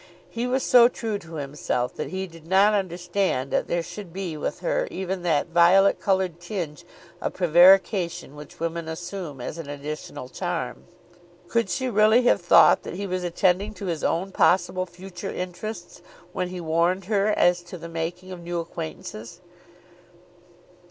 He was so true himself that he did not understand that there should be with her even that violet coloured tinge of prevarication which women assume as an additional charm. Could she really have thought that he was attending to his own possible future interests when he warned her as to the making of new acquaintances?